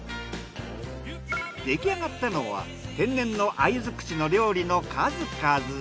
出来上がったのは天然の鮎づくしの料理の数々。